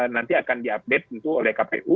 nanti akan diupdate tentu oleh kpu